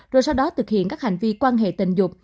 rồi sau đó thực hiện các hành vi quan hệ tình dục